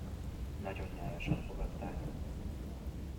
Nagyon nyájasan fogadták.